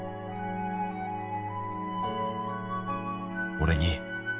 「俺に」